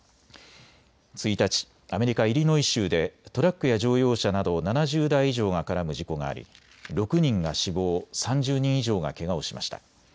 １日、アメリカイリノイ州でトラックや乗用車など７０台以上が絡む事故があり６人が死亡、３０人以上がけがをしました。